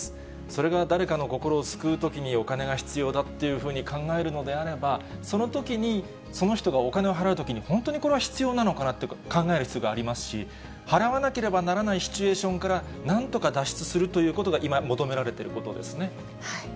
それが誰かの心を救うときにお金が必要だというふうに考えるのであれば、そのときにその人がお金を払うときに、本当にこれは必要なのかなと考える必要がありますし、払わなければならないシチュエーションからなんとか脱出するということが今求められていることですね。